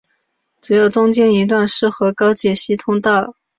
只有中间一段适合高解析通道。